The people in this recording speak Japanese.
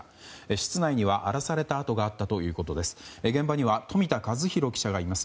室内には荒らされた跡があったということです。